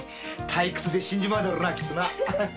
退屈で死んじまうだろうなきっとな。